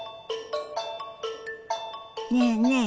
ねえねえ